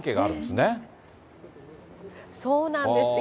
そうなんですって。